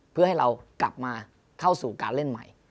เพื่อให้เรากลับมาเข้าสู่การเล่นใหม่